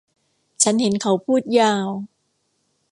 ฉันเห็นเขาพูดยาว